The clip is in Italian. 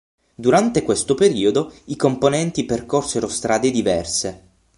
Durante questo periodo i componenti percorsero strade diverse.